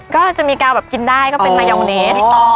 ก็จะมีกาวแบบกินได้ก็เป็นมายาวเนส